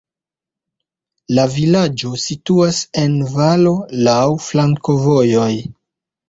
La vilaĝo situas en valo, laŭ flankovojoj.